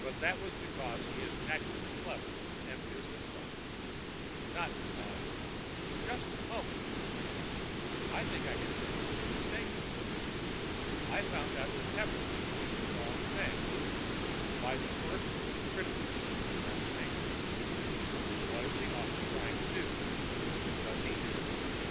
But that was because he is naturally clever and business like, not because——" "Just a moment," said Brainard. "I think I can show that you're mistaken. I found out that Pepper was doing the wrong thing—by the first rule of criticism (freshman English): 'What is the author trying to do? Does he do it?